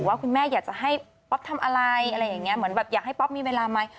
ว่าคุณแม่อยากจะให้ป๊อปทำอะไรอะไรอย่างนี้เหมือนแบบอยากให้ป๊อปมีเวลาไหม